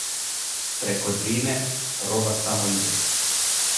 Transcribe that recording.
Преко Дрине, роба само иде!